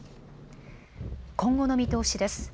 今後の見通しです。